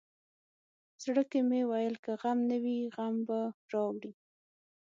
زړه کې مې ویل که غم نه وي غم به راوړي.